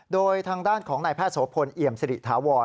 โดยทางด้านของนายแพทย์โสพลเอี่ยมสิริถาวร